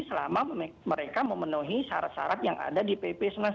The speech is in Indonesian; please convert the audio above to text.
selama mereka memenuhi syarat syarat yang ada di pp sembilan puluh sembilan